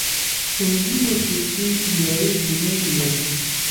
هندي موسیقي نړۍ کې نوم لري